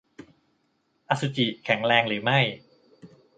อสุจิแข็งแรงหรือไม่